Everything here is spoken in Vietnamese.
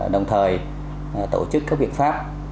đồng thời tổ chức các biện pháp